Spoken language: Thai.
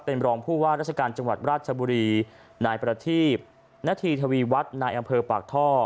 เป็นรองผู้ว่าราชการจังหวัดราชบุรีนายประทีบนธีทวีวัฒน์นายอำเภอปากท่อ